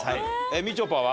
みちょぱは？